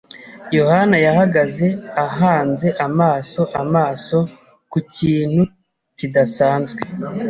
Yohana yahagaze ahanze amaso amaso ku kintu kidasanzwe.